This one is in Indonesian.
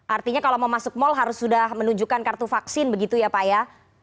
artinya kalau mau masuk mall harus sudah menunjukkan kartu vaksin begitu ya pak ya